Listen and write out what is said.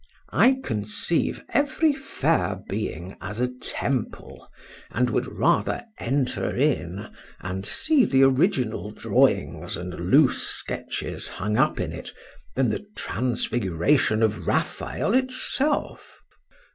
—I conceive every fair being as a temple, and would rather enter in, and see the original drawings and loose sketches hung up in it, than the Transfiguration of Raphael itself.